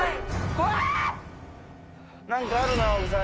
何かあるな草薙